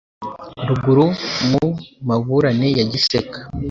Ruguru Mu maburane ya Giseke,